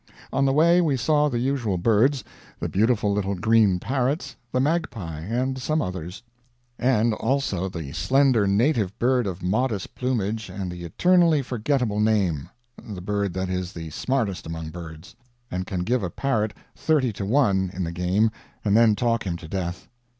On the way we saw the usual birds the beautiful little green parrots, the magpie, and some others; and also the slender native bird of modest plumage and the eternally forgettable name the bird that is the smartest among birds, and can give a parrot 30 to 1 in the game and then talk him to death.